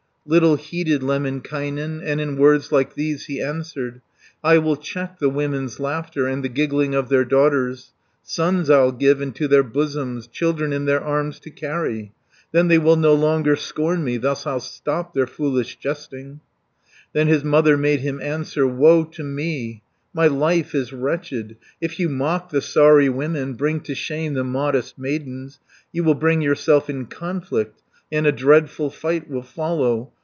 Little heeded Lemminkainen, And in words like these he answered: "I will check the women's laughter, And the giggling of their daughters. Sons I'll give unto their bosoms, Children in their arms to carry; 90 Then they will no longer scorn me, Thus I'll stop their foolish jesting." Then his mother made him answer; "Woe to me, my life is wretched. If you mock the Saari women, Bring to shame the modest maidens, You will bring yourself in conflict, And a dreadful fight will follow.